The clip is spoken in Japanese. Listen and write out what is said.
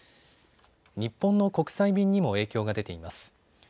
日本の国際便にも影響が出ています。